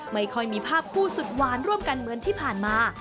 ไม่ค่อยมีภาพคู่สุดหวานร่วมกันเหมือนที่ผ่านมา